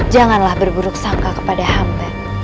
janganlah berburuk sangka kepada hamba